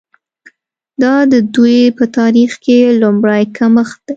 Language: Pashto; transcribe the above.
دا د دوی په تاریخ کې لومړی کمښت دی.